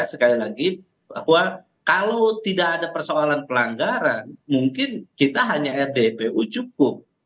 sekali lagi bahwa kalau tidak ada persoalan pelanggaran mungkin kita hanya rdpu cukup